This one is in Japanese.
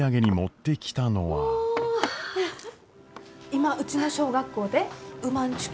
今うちの小学校でうまんちゅ